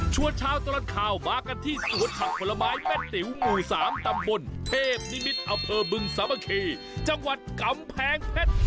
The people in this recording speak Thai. ชวนเช้าตลอดข่าวมากันที่สวนฉักผลไม้แม่ติ๋วหมู่สามตำบลเพภนิมิตอเผอร์บึงซะบะเคย์จังหวัดกำแพงแพทย์